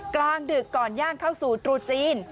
กลางดึกก่อนย่างเข้าสู่ตรุษจีน